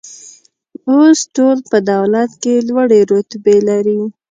اوس ټول په دولت کې لوړې رتبې لري